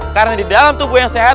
karena di dalam tubuh yang sehat